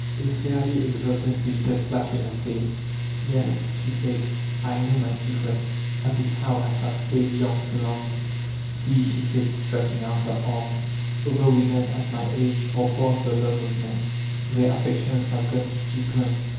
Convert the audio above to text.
A fairly exultant glitter flashed in her face. ''Yes, she said, "I know my secret. That is how I have stayed young so long. See," she said, stretching out her arms, "other women at my age are past the love of men. Their affe ctio ns have gone to chiMren.